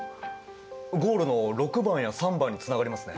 ゴールの６番や３番につながりますね。